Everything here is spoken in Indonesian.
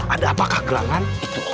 apakah gelangan itu